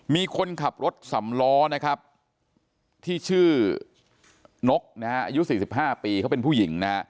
มีคนขับรถสำล้อนะครับที่ชื่อนกนะฮะอายุ๔๕ปีเขาเป็นผู้หญิงนะฮะ